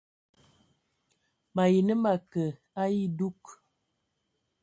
Mayi nə ma kə a edug.